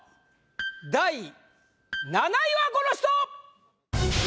第７位はこの人！